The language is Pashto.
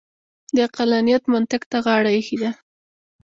د عقلانیت منطق ته غاړه اېښې ده.